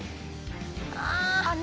「ああ！」